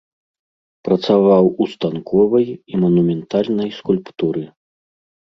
Працаваў у станковай і манументальнай скульптуры.